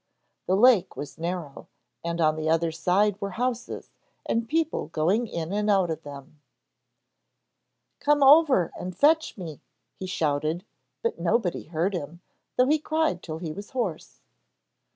The lake was narrow, and on the other side were houses and people going in and out of them. 'Come over and fetch me,' he shouted, but nobody heard him, though he cried till he was hoarse.